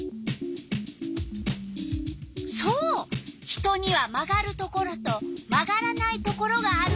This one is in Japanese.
そう人には曲がるところと曲がらないところがあるみたい。